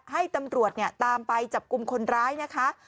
ให้ตำรวจตามไปจับกลุ่มคนร้ายนะคะ